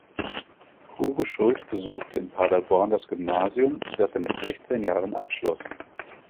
Hugo Schultz besuchte in Paderborn das Gymnasium, das er mit sechzehn Jahren abschloss.